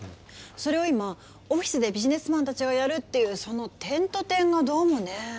それを今オフィスでビジネスマンたちがやるっていうその点と点がどうもねえ。